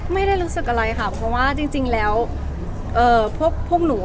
ไม่ได้รู้สึกอะไรค่ะเพราะว่าจริงแล้วพวกหนู